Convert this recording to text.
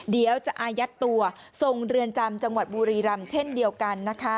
เดี๋ยวจะอายัดตัวทรงเรือนจำจังหวัดบุรีรำเช่นเดียวกันนะคะ